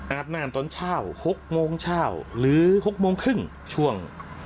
อาบน้ำตอนเช้า๖โมงเช้าหรือ๖โมงครึ่งช่วง